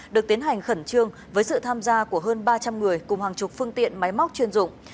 được tiến hành khẩn trương với sự tham gia của hơn ba trăm linh người cùng hàng chục phương tiện máy móc chuyên dụng